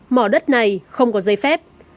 mỏ đất này thì là nó không có giấy phép